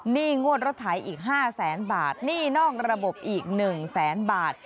งวดรถไถอีก๕แสนบาทหนี้นอกระบบอีก๑แสนบาท